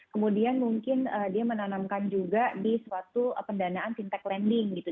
kemudian mungkin dia menanamkan juga di suatu pendanaan fintech lending gitu